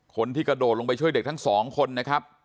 คนที่กระโดดลงไปช่วยเด็กทั้งสองคนนะครับ